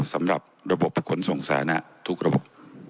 สำหรับระบบประกวนส่งสาระทุกระบบ